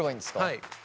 はい。